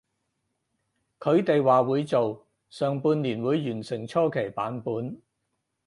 佢哋話會做，上半年會完成初期版本